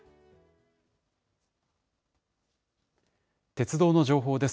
鉄道の情報です。